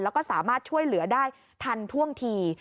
แล้วก็สามารถช่วยเหลือได้ทันท่วงที